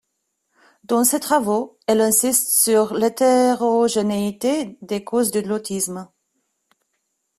Dans ses travaux, elle insiste sur l'hétérogénéité des causes de l'autisme.